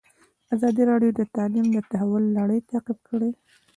ازادي راډیو د تعلیم د تحول لړۍ تعقیب کړې.